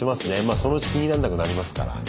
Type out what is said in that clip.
まあそのうち気になんなくなりますから。